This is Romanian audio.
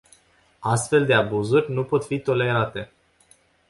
Astfel de abuzuri nu pot fi tolerate.